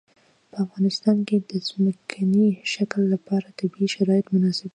په افغانستان کې د ځمکنی شکل لپاره طبیعي شرایط مناسب دي.